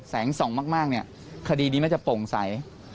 แสงส่องมากเนี่ยคดีนี้น่าจะโปร่งใส